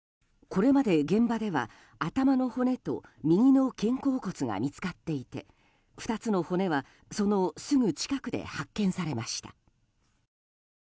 これまで現場では頭の骨と右の肩甲骨が見つかっていて２つの骨は、そのすぐ近くで発見されました。